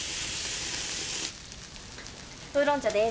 ウーロン茶です。